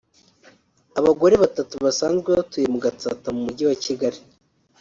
abagore batatu basanzwe batuye mu Gatsata mu Mujyi wa Kigali